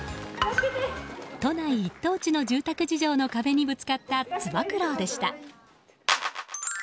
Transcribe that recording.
都内一等地の住宅の壁にぶつかったつば九郎でした。